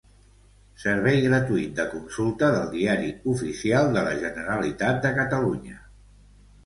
Servei gratuït de consulta del Diari Oficial de la Generalitat de Catalunya.